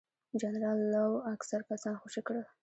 جنرال لو اکثر کسان خوشي کړل.